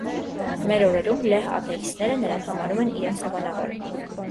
Մեր օրերում լեհ աթեիստները նրան համարում են իրենց հովանավորը։